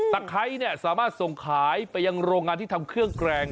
ไคร้เนี่ยสามารถส่งขายไปยังโรงงานที่ทำเครื่องแกรง